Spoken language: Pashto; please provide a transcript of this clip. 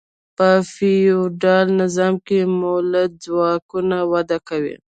په فیوډالي نظام کې مؤلده ځواکونه وده وکړه.